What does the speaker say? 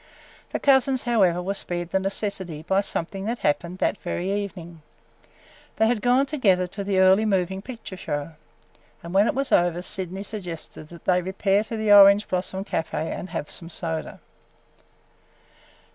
The cousins, however, were spared the necessity by something that happened that very evening. They had gone together to the early moving picture show, and when it was over Sydney suggested that they repair to the Orange Blossom Café and have some soda. Now.